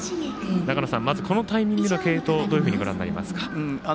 このタイミングでの継投どういうふうにご覧になりますか？